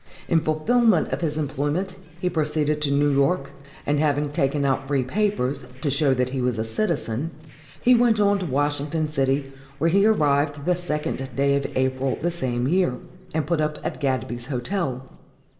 In fulfilment of his employment, he proceeded to New York, and, having taken out free papers, to show that he was a citizen, he went on to Washington city, where he arrived the second day of April, the same year, and put up at Gadsby's Hotel.